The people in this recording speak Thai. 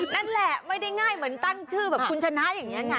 นั่นแหล่ะไม่ได้ง่ายเหมือนตั้งชื่อคุณชนะ